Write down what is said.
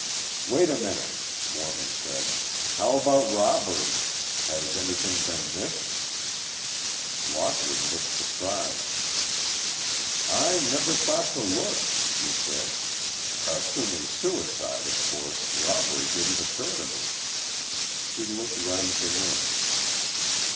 "Wait a minute," Morton said, "how about robbery? Has anything been missed?" Lockwood looked surprised. "I never thought to look," he said; "assuming suicide, of course robbery didn't occur to me." He looked round the room.